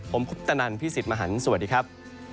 ผมคุปตนันพี่สิทธิ์มหันฯสวัสดีครับ